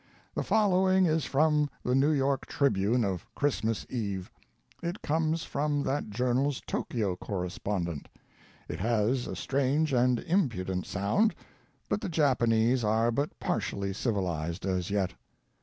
The following is from the New York Tribune, of Christmas Eve. It comes from that journal's Tokio correspondent. It has a strange and impudent sound, but the Japanese are but par tially civilized as yet.